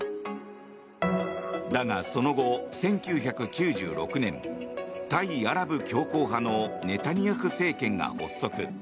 だがその後、１９９６年対アラブ強硬派のネタニヤフ政権が発足。